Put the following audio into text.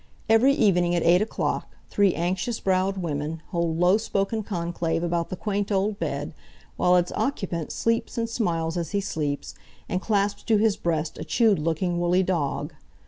Every evening at eight o'clock three anxious browed women hold low spoken conclave about the quaint old bed, while its occupant sleeps and smiles as he sleeps, and clasps to his breast a chewed looking woolly dog.